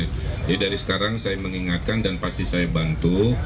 jadi dari sekarang saya mengingatkan dan pasti saya bantu